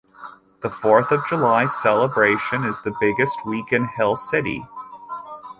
The Fourth of July celebration is the biggest week in Hill City.